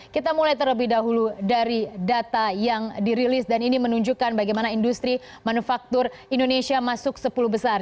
kita mulai terlebih dahulu dari data yang dirilis dan ini menunjukkan bagaimana industri manufaktur indonesia masuk sepuluh besar